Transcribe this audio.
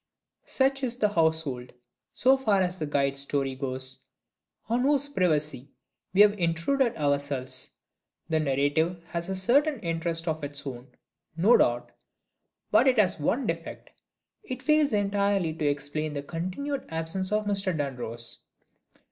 Such is the household (so far as the guide's story goes) on whose privacy we have intruded ourselves! The narrative has a certain interest of its own, no doubt, but it has one defect it fails entirely to explain the continued absence of Mr. Dunross.